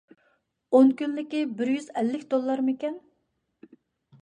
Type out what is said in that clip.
ئون كۈنلۈكى بىر يۈز ئەللىك دوللارمىكەن؟